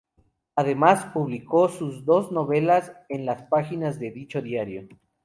Además, publicó sus dos novelas en las páginas de dicho diario.